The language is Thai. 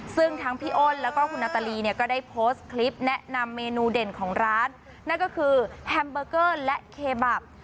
ซึ่งทั้งพี่อ้นแล้วก็คุณนาตาลีเนี่ยก็ได้โพสต์คลิปแนะนำเมนูเด่นของร้านนั่นก็คือแฮมเบอร์เกอร์และเคบับ